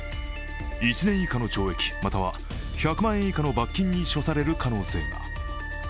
１年以下の懲役または１００万円以下の罰金に処される可能性が。